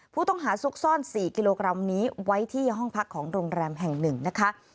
ผู้ต้องหาซุกซ่อน๔กิโลกรัมนี้ไว้ที่ห้องพักของโรงแรมแห่งหนึ่งนะคะ